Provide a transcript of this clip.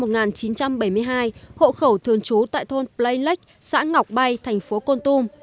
bệnh nhân tử vong tên là y chơi sinh năm một nghìn chín trăm bảy mươi hai hộ khẩu thường trú tại thôn play lake xã ngọc bay thành phố con tùm